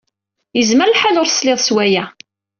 Yezmer lḥal ur tesliḍ s waya.